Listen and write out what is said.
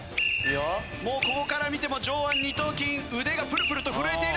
もうここから見ても上腕二頭筋腕がプルプルと震えているのがわかります。